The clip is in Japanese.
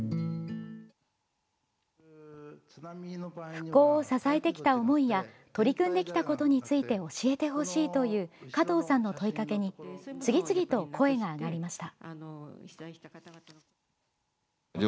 復興を支えてきた思いや取り組んできたことについて教えてほしいという加藤さんの問いかけに次々と声が上がりました。